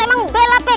emang bela peh